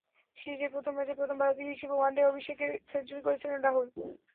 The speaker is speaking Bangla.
সিরিজের প্রথম ম্যাচে প্রথম ভারতীয় হিসেবে ওয়ানডে অভিষেকে সেঞ্চুরি করেছিলেন রাহুল।